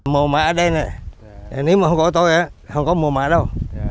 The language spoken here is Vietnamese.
màu mã đen này nếu mà không có tôi không có màu mã đâu